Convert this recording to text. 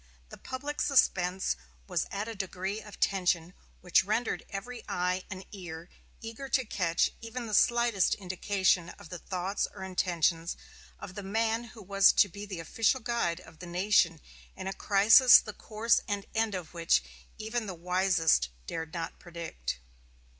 The public suspense was at a degree of tension which rendered every eye and ear eager to catch even the slightest indication of the thoughts or intentions of the man who was to be the official guide of the nation in a crisis the course and end of which even the wisest dared not predict.